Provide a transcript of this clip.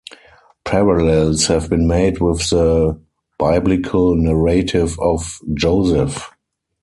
Parallels have been made with the biblical narrative of Joseph.